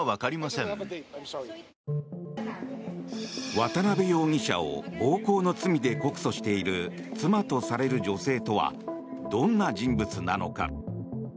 渡邉容疑者を暴行の罪で告訴している妻とされる女性とはどんな人物なのか。